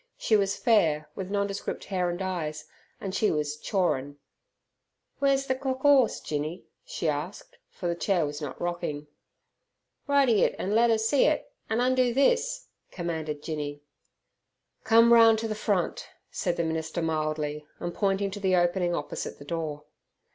She was fair, with nondescript hair and eyes, and she was "chawrin'". "Wer's ther cock 'orse, Jinny?" she asked, for the chair was not rocking. "Ridey it an' let 'er see it; an' undo this," commanded Jinny. "Come round to the front," said the minister mildly, and pointing to the opening opposite the door.